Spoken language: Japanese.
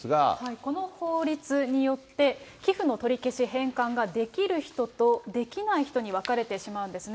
この法律によって、寄付の取り消し返還ができる人とできない人に分かれてしまうんですね。